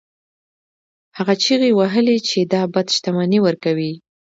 هغه چیغې وهلې چې دا بت شتمني ورکوي.